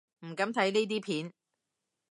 唔敢睇呢啲片